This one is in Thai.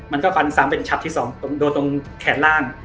มันก็ฟันซ้ำเป็นช็อตที่๒โดนตรงแขนล่าง